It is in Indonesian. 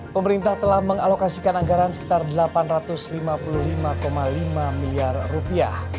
pemerintah telah mengalokasikan anggaran sekitar delapan ratus lima puluh lima lima miliar rupiah